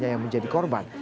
yang menjadi korban